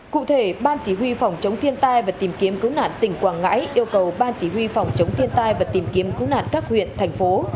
cụ thể ban chỉ huy phòng chống thiên tai và tìm kiếm cứu nạn tỉnh quảng ngãi yêu cầu ban chỉ huy phòng chống thiên tai và tìm kiếm cứu nạn các huyện thành phố